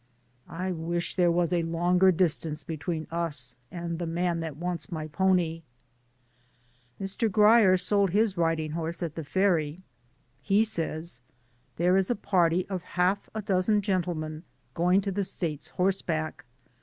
I wish there was a longer dis tance between us and the man that wants my pony. Mr. Grier sold his riding horse at the ferry. He says: "There is a party of half a dozen gentle men going to the States horseback.